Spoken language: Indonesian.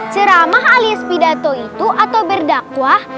ceramah alias pidato itu atau berdakwah